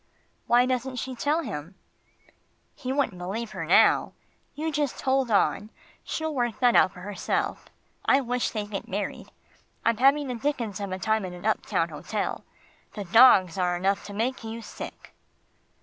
"Why doesn't she tell him?" "He wouldn't believe her now. You just hold on, she'll work that out for herself I wish they'd get married. I'm having the dickens of a time in an uptown hotel. The dogs are enough to make you sick."